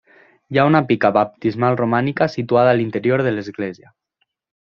Hi ha una pica baptismal romànica situada a l'interior de l'església.